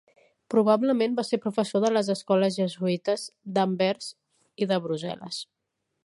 Probablement va ser professor de les escoles jesuïtes d'Anvers i de Brussel·les.